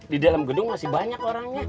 di dalam gedung masih banyak orangnya